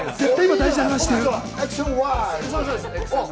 大事な話してる。